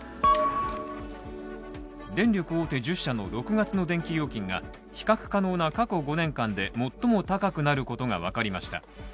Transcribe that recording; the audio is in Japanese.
電力大手１０社の６月の電気料金が比較可能な過去５年間で最も高くなることが分かりました。